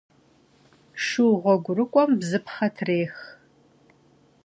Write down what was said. Şşu ğuegurık'uem bzıpxhe trêx.